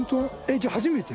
じゃあ初めて？